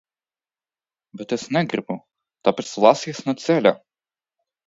Bet es negribu, tāpēc lasies no ceļa!